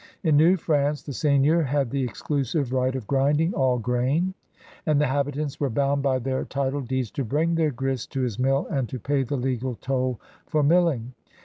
In New France the seigneur had the exclusive right of grinding aU grain, and the habitants were bound by their title deeds to bring their grist to his mill and to pay the l^al toll for milling.